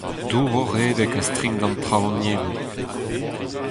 Dour o redek a-strink d'an traoñiennoù.